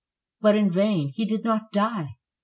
But in vain; he did not die.